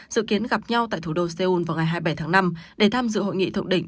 dự kiến gặp nhau tại thủ đô seoul vào ngày hai mươi bảy tháng năm để tham dự hội nghị thượng đỉnh